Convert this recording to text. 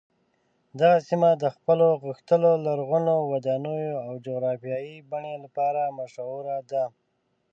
دغه سیمه د خپلو غښتلو لرغونو ودانیو او جغرافیايي بڼې لپاره مشهوره ده.